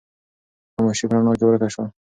خاموشي په رڼا کې ورکه شوه.